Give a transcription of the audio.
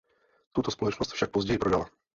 Tuto společnost však později prodala.